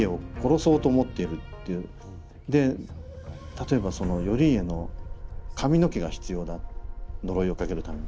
で例えばその頼家の髪の毛が必要だ呪いをかけるために。